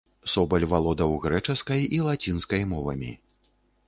Собаль валодаў грэчаскай і лацінскай мовамі.